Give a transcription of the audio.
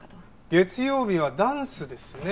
月曜日はダンスですね。